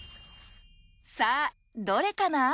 さぁどれかな？